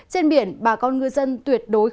trên biển bà con ngư dân tuyệt đối khó